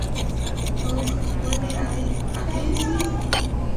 اوښ ولې اغزي خوري؟